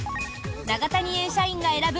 永谷園社員が選ぶ